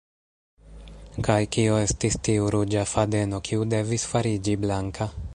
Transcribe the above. Kaj kio estis tiu “ruĝa fadeno” kiu devis fariĝi blanka?